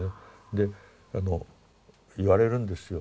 で言われるんですよ。